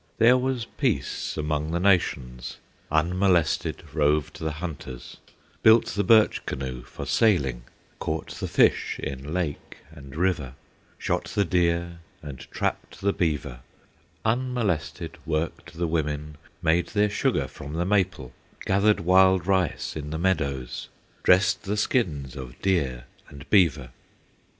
There was peace among the nations; Unmolested roved the hunters, Built the birch canoe for sailing, Caught the fish in lake and river, Shot the deer and trapped the beaver; Unmolested worked the women, Made their sugar from the maple, Gathered wild rice in the meadows, Dressed the skins of deer and beaver.